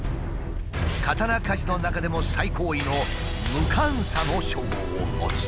刀鍛冶の中でも最高位の「無鑑査」の称号を持つ。